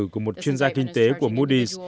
của một chuyên gia kinh tế của moody s